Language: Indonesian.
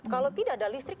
kalau tidak ada listrik